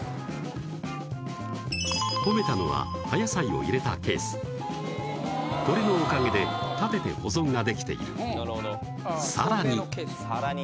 褒めたのは葉野菜を入れたケースこれのおかげで立てて保存ができているさらにさらに？